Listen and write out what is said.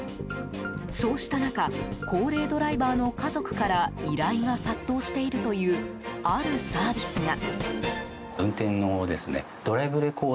そうした中高齢ドライバーの家族から依頼が殺到しているというあるサービスが。